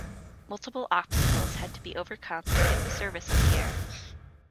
Multiple obstacles had to be overcome to get the service on the air.